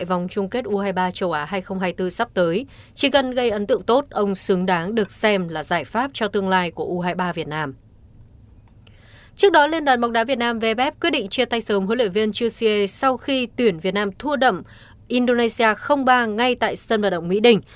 vff quyết định chia tay sớm huấn luyện viên jussie sau khi tuyển việt nam thua đậm indonesia ba ngay tại sân vật động mỹ đỉnh